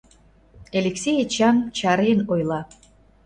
— Элексей Эчан чарен ойла.